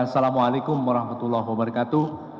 assalamualaikum warahmatullahi wabarakatuh